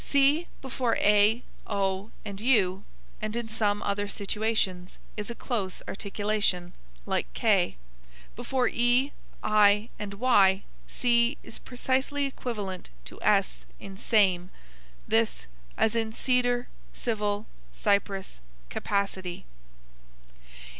C before a, o and u, and in some other situations, is a close articulation, like k. Before e, i and y, c is precisely equivalent to s in same, this; as in cedar, civil, cypress, capacity.